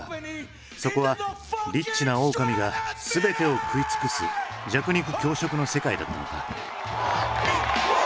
そこはリッチなオオカミが全てを食い尽くす弱肉強食の世界だったのか？